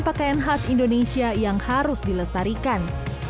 pakaian khas indonesia yang harus dilestarikan